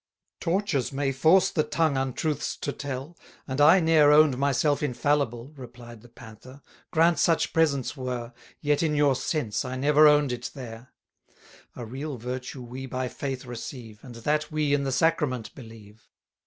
Tortures may force the tongue untruths to tell, And I ne'er own'd myself infallible, Replied the Panther: grant such presence were, 40 Yet in your sense I never own'd it there. A real virtue we by faith receive, And that we in the sacrament believe.